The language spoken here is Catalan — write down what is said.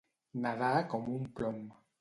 Nedar com un plom.